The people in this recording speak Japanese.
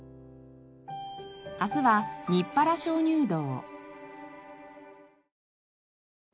明日は日原鍾乳洞。